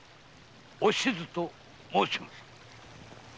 お静と申します